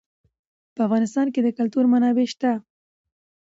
په افغانستان کې د کلتور منابع شته.